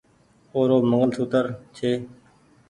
او رو منگل ڇي